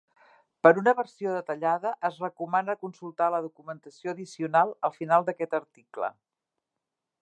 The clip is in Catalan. Per una versió detallada es recomana consultar la documentació addicional al final d'aquest article.